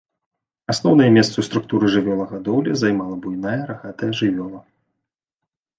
Асноўнае месца ў структуры жывёлагадоўлі займала буйная рагатая жывёла.